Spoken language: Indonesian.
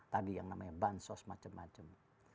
tadi yang namanya bansos macam macam